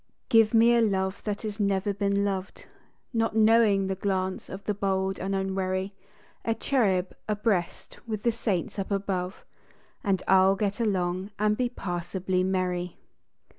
Give me a love that has never been loved, Not knowing the glance of the bold and unwarv. A cherub abreast with the saints up above, And I ll get along and be passably merry.